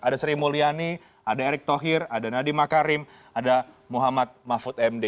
ada sri mulyani ada erick thohir ada nadiem makarim ada muhammad mahfud md